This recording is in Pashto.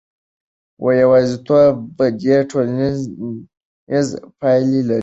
یوازیتوب بدې ټولنیزې پایلې لري.